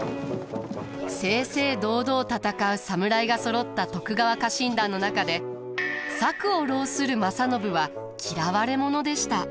正々堂々戦う侍がそろった徳川家臣団の中で策を弄する正信は嫌われ者でした。